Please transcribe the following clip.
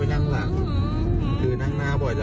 มานั่งเลย